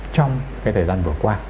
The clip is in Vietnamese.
trong cái thời gian vừa qua